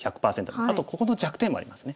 あとここの弱点もありますね。